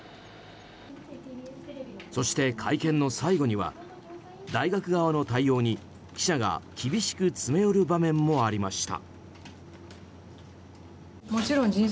そして、会見の最後には大学側の対応に記者が厳しく詰め寄る場面もありました。